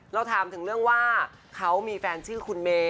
เราถามถึงเรื่องว่าเขามีแฟนชื่อคุณเมย์